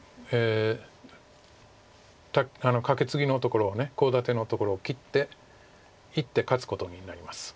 カケツギのところをコウ立てのところを切って１手勝つことになります。